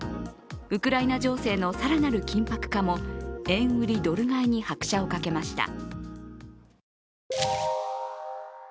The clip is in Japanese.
ウクライナ情勢の更なる緊迫化も円売りドル買いに拍車をかけました。